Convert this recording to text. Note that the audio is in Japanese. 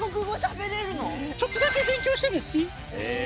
ちょっとだけ勉強したなっしー。